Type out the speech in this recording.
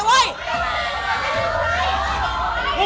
ออกไปเลย